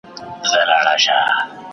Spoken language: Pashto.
زه به د راتلونکي لپاره پلان جوړ کړم.